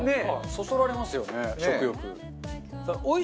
そそられますよね食欲。